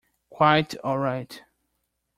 Quite all right.